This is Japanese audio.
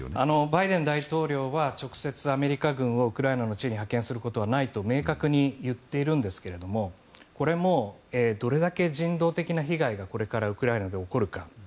バイデン大統領は直接、アメリカ軍をウクライナの地に派遣することはないと明確に言っているんですがこれもどれだけ人道的な被害がこれからウクライナで起こるか。